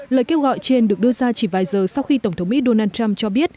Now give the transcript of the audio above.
lời kêu gọi trên được đưa ra chỉ vài giờ sau khi tổng thống mỹ donald trump cho biết